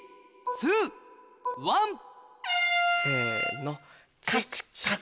せの。